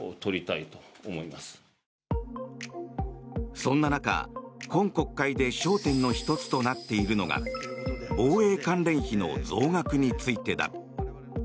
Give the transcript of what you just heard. そんな中、今国会で焦点の１つとなっているのが防衛関連費の増額についてだ。